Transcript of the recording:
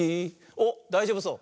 おっだいじょうぶそう。